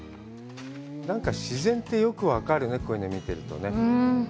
なんか自然ってよく分かるね、こういうの見てるとね。